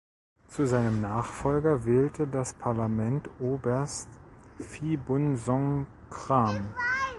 Zu seinem Nachfolger wählte das Parlament Oberst Phibunsongkhram.